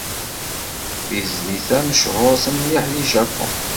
Tizlit-a mechuṛet mliḥ deg Japun.